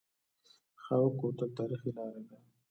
خاوک کوتل تاریخي لاره ده؟